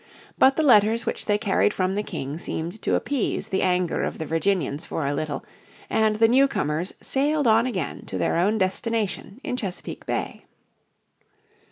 But the letters which they carried from the King seemed to appease the anger of the Virginians for a little, and the newcomers sailed on again to their own destination in Chesapeake Bay.